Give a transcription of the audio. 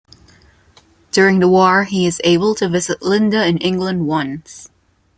During the war, he is able to visit Linda in England once.